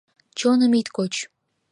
Чоным ит коч!